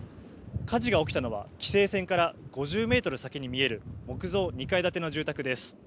火事が起きたのは規制線から５０メートル先に見える木造２階建ての住宅です。